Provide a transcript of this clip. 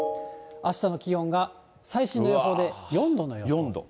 あしたの気温が最新の予報で４度の予想。